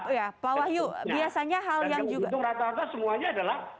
dan yang menguntung rata rata semuanya adalah